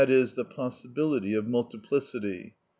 e._, the possibility of multiplicity.